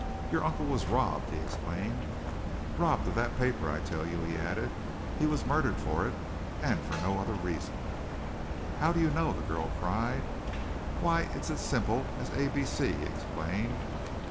"Your uncle was robbed!" he exclaimed, "robbed of that paper! I tell you," he added, "he was murdered for it, and for no other reason!" "How do you know?" the girl cried. "Why, it's as simple as A B C," he explained.